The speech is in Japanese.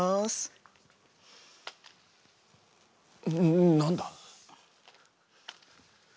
んん何だ！？